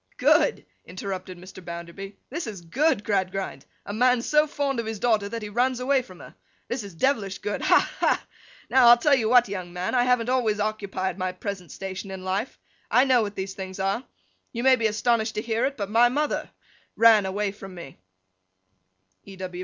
'Good!' interrupted Mr. Bounderby. 'This is good, Gradgrind! A man so fond of his daughter, that he runs away from her! This is devilish good! Ha! ha! Now, I'll tell you what, young man. I haven't always occupied my present station of life. I know what these things are. You may be astonished to hear it, but my mother—ran away from me.' E.